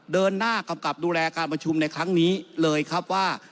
เดินหน้ากำกับดูแลการประชุมในครั้งนี้เลยครับว่า